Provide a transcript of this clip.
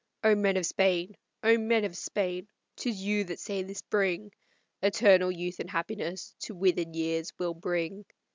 O men of Spain! O men of Spain! 'Tis you that say the spring Eternal youth and happiness to withered years will bring!"